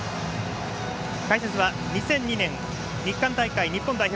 解説は２００２年の日韓大会日本代表